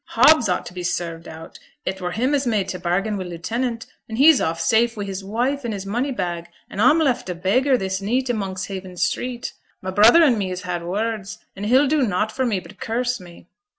'Hobbs ought to be served out; it were him as made t' bargain wi' lieutenant; and he's off safe wi' his wife and his money bag, and a'm left a beggar this neet i' Monkshaven street. My brother and me has had words, and he'll do nought for me but curse me.